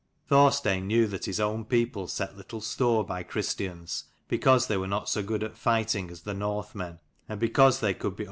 Thorstein knew that his own people set little store by Christians, because they were not so good at fighting as the Northmen, and because they could be over 99 CHAPTER XVIII.